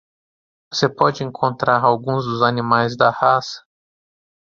Você pode encontrar alguns dos animais da raça?